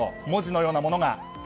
文字のようなものが。